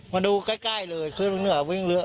มันดูใกล้เลยเครื่องเนื้อหวิงเหลือ